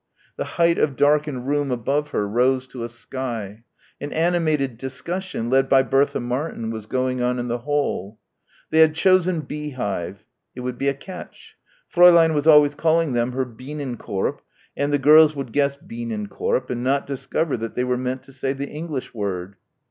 The height of darkened room above her rose to a sky. An animated discussion, led by Bertha Martin, was going on in the hall. They had chosen "beehive." It would be a catch. Fräulein was always calling them her Bienenkorb and the girls would guess Bienenkorb and not discover that they were meant to say the English word.